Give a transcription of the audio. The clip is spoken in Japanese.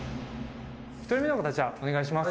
１人目の方じゃあお願いします。